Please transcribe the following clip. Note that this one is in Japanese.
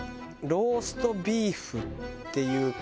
ローストビーフっていう。